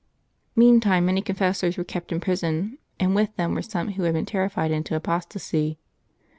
Meantime, many confessors were kept in prison and with them were some who had been terrified into apostasy.